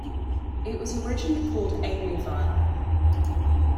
It was originally called Ainleyville.